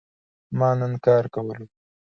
ما نن کار کولو